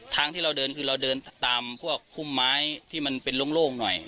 ทางที่เราเดินคือเราเดินตามพวกพุ่มไม้ที่มันเป็นโล่งหน่อย